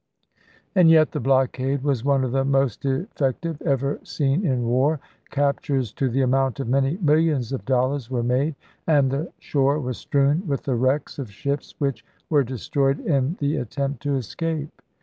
And yet the blockade was one of the most effec tive ever seen in war. Captures to the amount of many millions of dollars were made, and the shore was strewn with the wrecks of ships which were destroyed in the attempt to escape.